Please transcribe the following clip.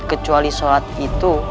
kecuali sholat itu